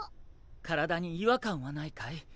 体に違和感はないかい？